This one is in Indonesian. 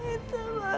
itu mampir bau